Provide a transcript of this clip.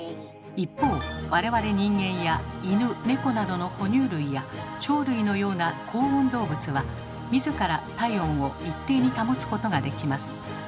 一方我々人間や犬猫などの哺乳類や鳥類のような恒温動物は自ら体温を一定に保つことができます。